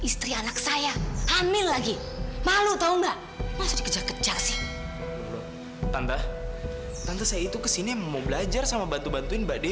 sampai jumpa di video selanjutnya